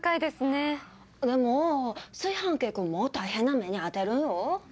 でも炊飯器君も大変な目に遭ってるよ？